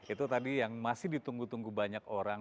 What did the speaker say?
itu tadi yang masih ditunggu tunggu banyak orang